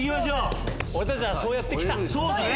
俺たちそうやって来た。